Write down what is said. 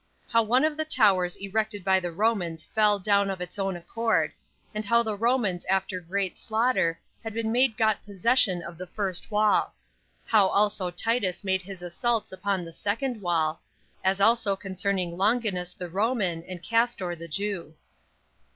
How One Of The Towers Erected By The Romans Fell Down Of Its Own Accord; And How The Romans After Great Slaughter Had Been Made Got Possession Of The First Wall. How Also Titus Made His Assaults Upon The Second Wall; As Also Concerning Longinus The Roman, And Castor The Jew.